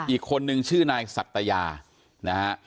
อีกคนนึงชื่อนายสัตยานะฮะ